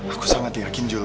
aku sangat yakin jul